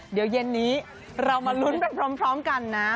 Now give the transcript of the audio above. เดี๋ยวเย็นนี้เรามาลุ้นไปพร้อมกันนะ